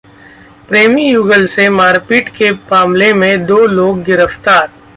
प्रेमी युगल से मारपीट के मामले में दो गिरफ्तार